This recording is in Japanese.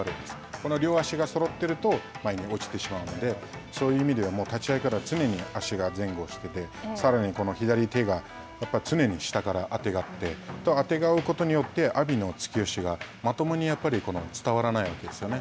この両足がそろっていると、前に落ちてしまうので、そういう意味では、もう立ち合いから、常に足が前後していて、さらに、この左手が、やっぱり常に下からあてがって、あてがうことによって阿炎の突き押しがまともに伝わらないわけですよね。